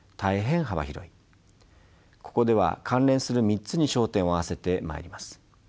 ここでは関連する３つに焦点を合わせてまいります。